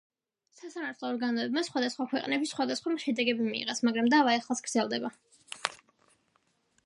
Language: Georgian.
სასამართლო ორგანოებმა სხვადასხვა ქვეყნებში სხვადასხვა შედეგები მიიღეს, მაგრამ დავა ეხლაც გრძელდება.